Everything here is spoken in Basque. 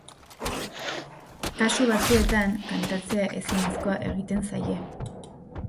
Kasu batzuetan kantatzea ezinezkoa egiten zaie.